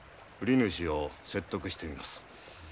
売り主を説得してみます。